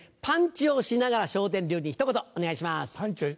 「パンチをしながら笑点流にひと言」お願いします。